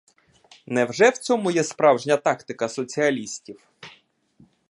Невже в цьому є справжня тактика соціалістів?